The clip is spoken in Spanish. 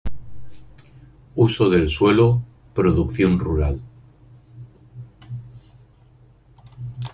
Uso del suelo, producción rural.